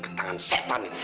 ke tangan setan ini